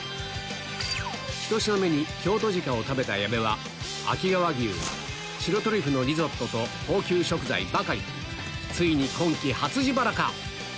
１品目に京都鹿を食べた矢部は秋川牛白トリュフのリゾットと高級食材ばかりついに今期初自腹か？